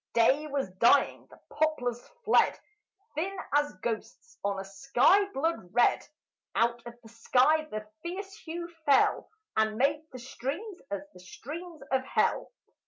Day was dying; the poplars fled, Thin as ghosts, on a sky blood red; Out of the sky the fierce hue fell, And made the streams as the streams of hell.